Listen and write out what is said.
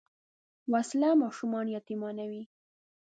وسله ماشومان یتیمانوي